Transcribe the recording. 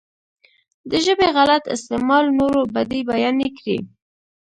د ژبې غلط استعمال نورو بدۍ بيانې کړي.